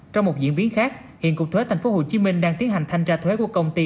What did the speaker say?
trong một diễn biến khác hiện cục thuế tp hcm đang tiến hành thanh tra thuế của công ty